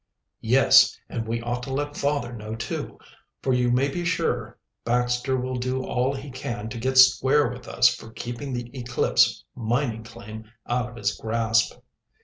"Yes, and we ought to let father know, too, for you may be sure Baxter will do all he can to get square with us for keeping the Eclipse mining claim out of his grasp."